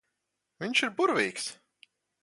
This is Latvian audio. Viņš ir burvīgs.